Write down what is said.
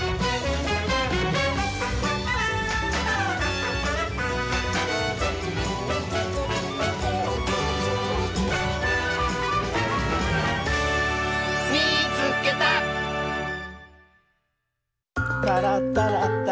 「タラッタラッタラッタ」